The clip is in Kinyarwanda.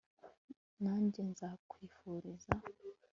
Nanjye nzakwifuriza